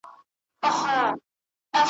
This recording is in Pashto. دا نظم مي وساته یو وخت به در یادیږي `